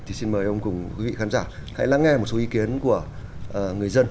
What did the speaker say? thì xin mời ông cùng quý vị khán giả hãy lắng nghe một số ý kiến của người dân